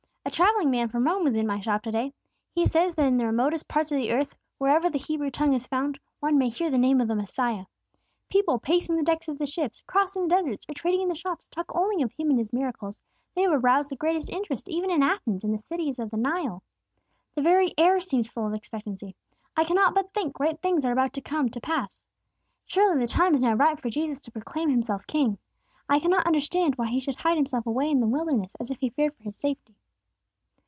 A travelling man from Rome was in my shop to day. He says that in the remotest parts of the earth, wherever the Hebrew tongue is found, one may hear the name of the Messiah. "People pacing the decks of the ships, crossing the deserts, or trading in the shops, talk only of Him and His miracles; they have aroused the greatest interest even in Athens and the cities of the Nile. The very air seems full of expectancy. I cannot but think great things are about to come to pass. Surely the time is now ripe for Jesus to proclaim Himself king. I cannot understand why He should hide Himself away in the wilderness as if He feared for His safety."